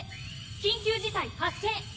緊急事態発生！